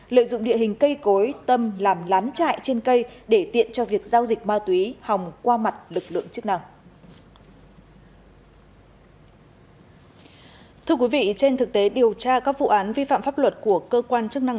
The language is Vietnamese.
lợi dụng địa hình cây cối tâm làm lán chạy trên cây để tiện cho việc giao dịch ma túy hòng qua mặt lực lượng chức năng